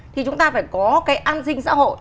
thì chúng ta phải có cái an sinh xã hội